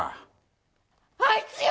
あいつよ！